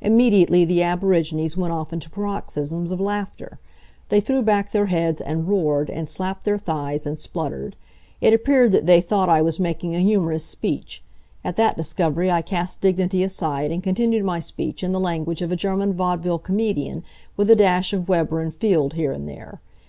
Immediately the aborigines went off into paroxysms of laughter. They threw back their heads and roared, and slapped their thighs, and spluttered. It appeared that they thought I was making a humorous speech. At that discovery I cast dignity aside and continued my speech in the language of a German vaudeville comedian, with a dash of Weber and Field here and there.